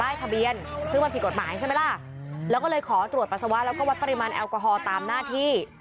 แล้วก็เลยขอตรวจปัสสาวะแล้วก็วัดปริมาณแอลกอฮอล์ตามหน้าที่